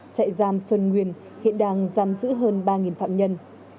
trại giam xuân nguyên hiện đang giam giữ hơn ba phạm nhân